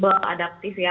dan ada sifat adaptif ya